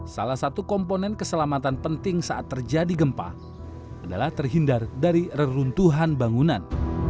salah satu komponen keselamatan penting saat terjadi gempa adalah terhindar dari reruntuhan bangunan